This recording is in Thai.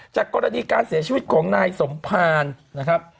กรณีการเสียชีวิตของนายสมภารนะครับ